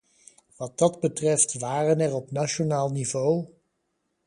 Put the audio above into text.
Wat dat betreft waren er op nationaal niveau ...